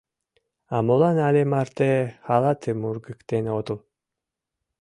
— А молан але марте халатым ургыктен отыл?